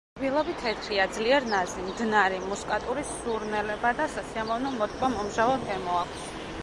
რბილობი თეთრია, ძლიერ ნაზი, მდნარი; მუსკატური სურნელება და სასიამოვნო მოტკბო-მომჟავო გემო აქვს.